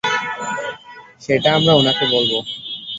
সেটা আমরা উনাকে বলবো।